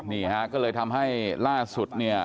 นี้ฮะก็เลยทำให้ร่าดสุด